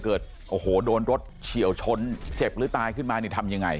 เกิดโอ้โหโดนรถเฉียวชนเจ็บหรือตายขึ้นมานี่ทำยังไง